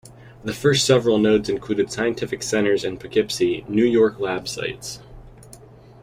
The first several nodes included Scientific Centers and Poughkeepsie, New York lab sites.